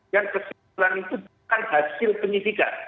dan kesimpulan itu bukan hasil penyidikan